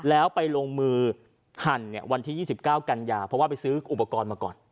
แล้วไปลงมือหั่นวันที่๒๙กันยาเพราะว่าไปซื้ออุปกรณ์มาก่อน